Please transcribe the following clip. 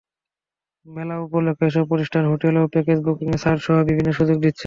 মেলা উপলক্ষে এসব প্রতিষ্ঠান হোটেল ও প্যাকেজ বুকিংয়ে ছাড়সহ বিভিন্ন সুযোগ দিচ্ছে।